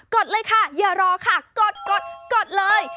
ดเลยค่ะอย่ารอค่ะกดกดเลย